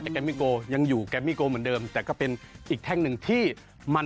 แกมมี่โกยังอยู่แกมมี่โกเหมือนเดิมแต่ก็เป็นอีกแท่งหนึ่งที่มัน